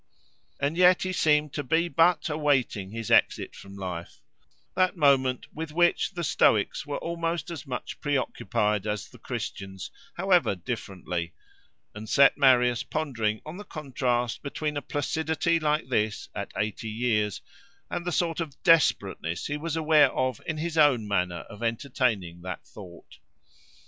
And yet he seemed to be but awaiting his exit from life—that moment with which the Stoics were almost as much preoccupied as the Christians, however differently—and set Marius pondering on the contrast between a placidity like this, at eighty years, and the sort of desperateness he was aware of in his own manner of entertaining that thought.